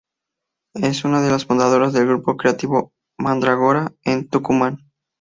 Es una de las fundadoras del Grupo Creativo Mandrágora, en Tucumán.